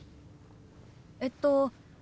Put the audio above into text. えっと。